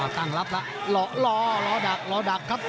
ตั้งรับแล้วรอดักรอดักครับ